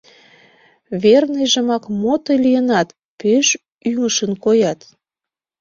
— Верныйжымак, мо тый лийынат, пеш ӱҥышын коят?